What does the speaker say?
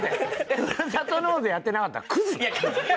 ふるさと納税やってなかったらクズなん？